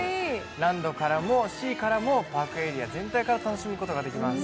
ランドからもシーからもパークエリア全体から楽しむことができます。